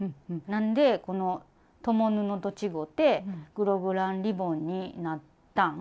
なんでこの共布と違ってグログランリボンになったん？